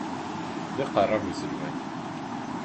D imqerreb uselway.